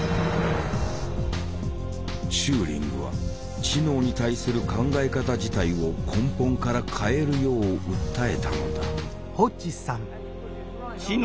チューリングは知能に対する考え方自体を根本から変えるよう訴えたのだ。